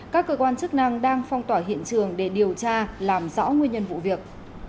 các cơ quan chức năng đang phong tỏa hiện trường để điều tra làm rõ nguyên nhân vụ việc